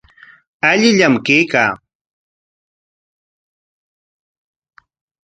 Allillam kaykaa.